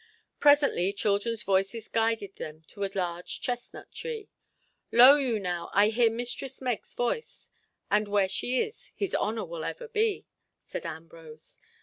Presently children's voices guided them to a large chestnut tree. "Lo you now, I hear Mistress Meg's voice, and where she is, his honour will ever be," said Ambrose.